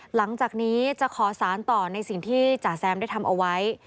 หลังจากนี้จะขอสารต่อในสิ่งที่จ๋าแซมได้ทำเอาไว้